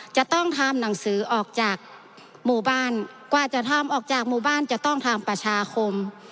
จะต้องทำหนังสือออกจากหมู่บ้านกว่าจะทำออกจากหมู่บ้านจะต้องทำประชาคม